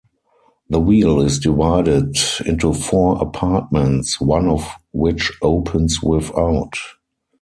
The wheel is divided into four apartments, one of which opens without.